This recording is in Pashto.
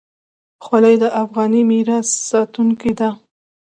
خولۍ د افغاني میراث ساتونکې ده.